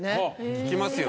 聞きますよね。